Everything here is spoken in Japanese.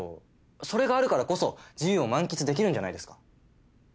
それがあるからこそ自由を満喫できるんじゃないですか。